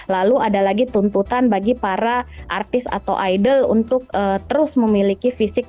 lalu ada lagi tuntutan bagi para artis